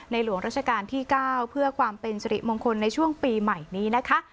หลวงราชการที่๙เพื่อความเป็นสิริมงคลในช่วงปีใหม่นี้นะคะ